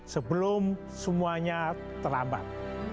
sebelum semuanya terlambat